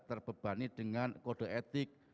terbebani dengan kode etik